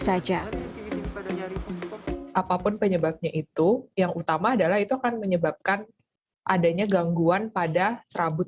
saja pada nyaris apapun penyebabnya itu yang utama adalah itu akan menyebabkan adanya gangguan pada serabut